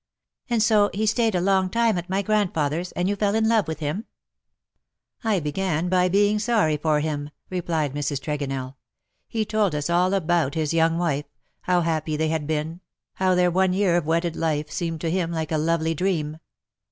'^ And so he stayed a long time at my grandfather's, and you fell in love with him ?" 4 THE DAYS THAT ARE NO MORE. " I began by being sorry for bim/^ replied Mrs. Tregonell. " He told us all about bis young wife — bow bappy tbey bad been — bow tbeir one year of wedded life seemed to bim like a lovely dream.